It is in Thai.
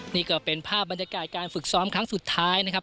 นี่ก็เป็นภาพบรรยากาศการฝึกซ้อมครั้งสุดท้ายนะครับ